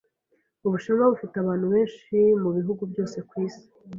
Ubushinwa bufite abantu benshi mubihugu byose kwisi. )